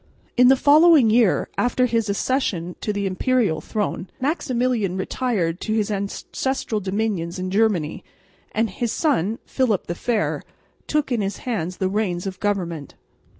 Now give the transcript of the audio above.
In the following year, after his accession to the imperial throne, Maximilian retired to his ancestral dominions in Germany, and his son, Philip the Fair, took in his hands the reins of government.